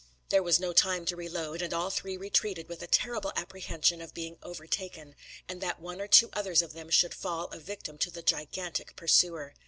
There was no time to reload; and all three retreated, with a terrible apprehension of being overtaken, and that one or two others of them should fall a victim to the gigantic pursuer.